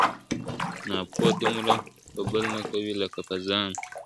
ناپوه دومره په بل نه کوي لکه په ځان ..